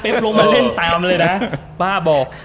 ลงมาเล่นตามเลยนะป้าบอก